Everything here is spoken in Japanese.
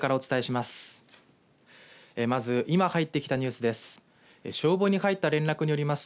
まず今入ってきたニュースです。